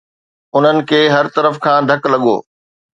انهن کي هر طرف کان ڌڪ لڳو.